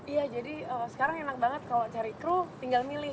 iya jadi sekarang enak banget kalau cari kru tinggal milih